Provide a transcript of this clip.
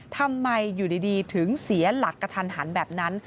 ทำไมอยู่ดีถึงเสียหลักกระทันหันแบบนั้น